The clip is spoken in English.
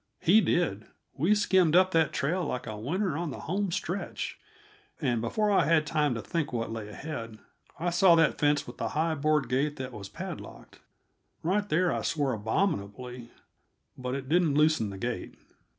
He did. We skimmed up that trail like a winner on the home stretch, and before I had time to think of what lay ahead, I saw that fence with the high, board gate that was padlocked. Right there I swore abominably but it didn't loosen the gate.